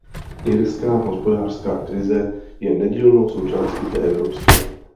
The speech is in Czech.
Irská hospodářská krize je nedílnou součástí té evropské.